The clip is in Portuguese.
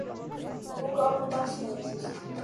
Você viu que neviscou hoje de manhã?